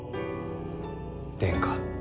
殿下。